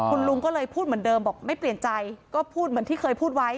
คุณลุงก็เลยพูดเหมือนเดิมบอกไม่เปลี่ยนใจก็พูดเหมือนที่เคยพูดไว้